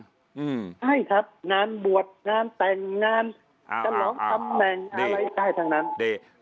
ใช่ครับงานบวชงานแต่งงานฉลองตำแหน่งอะไรได้ทั้งนั้นดี